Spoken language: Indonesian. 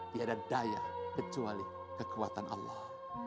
tiada daya kecuali kekuatan allah